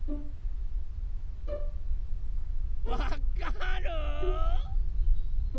・わかる？